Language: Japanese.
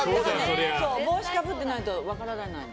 帽子かぶってないと分からないの。